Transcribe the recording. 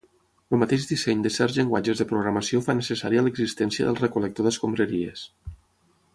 El mateix disseny de certs llenguatges de programació fa necessària l'existència del recol·lector d'escombraries.